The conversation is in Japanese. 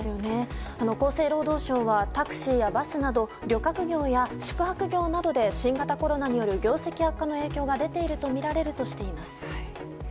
厚生労働省はタクシーやバスなど旅客業や、宿泊業などで新型コロナによる業績悪化の影響が出ているとみられるとしています。